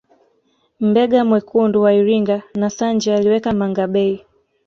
Mbega mwekundu wa Iringa na Sanje aliweka mangabey